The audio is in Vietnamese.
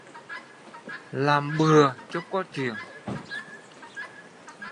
Làm bứa cho qua chuyện